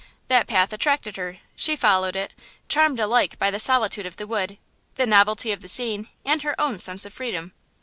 That path attracted her; she followed it, charmed alike by the solitude of the wood, the novelty of the scene and her own sense of freedom.